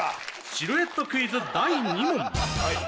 ・シルエットクイズ第２問・はい。